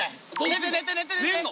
寝て寝て寝て寝て。